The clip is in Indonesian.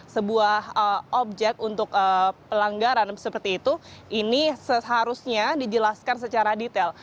sebuah objek untuk pelanggaran seperti itu ini seharusnya dijelaskan secara detail